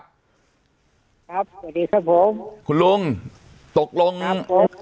ครับสวัสดีครับผมคุณลุงตกลงครับผม